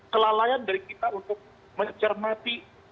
kelalaian dari kita untuk mencermati